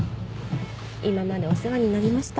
今までお世話になりました。